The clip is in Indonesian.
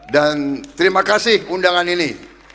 dan terima kasih undangan ini